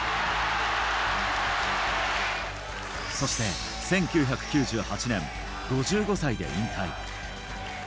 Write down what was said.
そして１９９８年、５５歳で引退。